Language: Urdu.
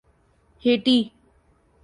ہیٹی